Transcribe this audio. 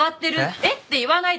「えっ？」って言わないで！